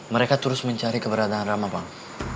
mereka terus mencari keberadaan ramah bang